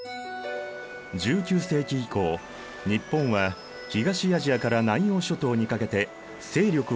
１９世紀以降日本は東アジアから南洋諸島にかけて勢力を拡大。